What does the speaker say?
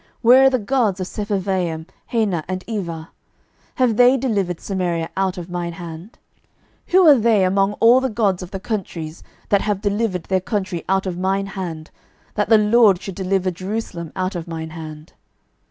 where are the gods of Sepharvaim, Hena, and Ivah? have they delivered Samaria out of mine hand? 12:018:035 Who are they among all the gods of the countries, that have delivered their country out of mine hand, that the LORD should deliver Jerusalem out of mine hand?